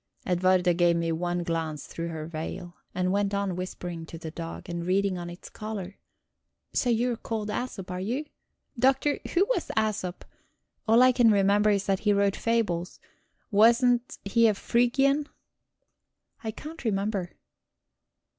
Edwarda gave me one glance through her veil, and went on whispering to the dog, and reading on its collar: "So you're called Æsop, are you? Doctor, who was Æsop? All I can remember is that he wrote fables. Wasn't he a Phrygian? I can't remember."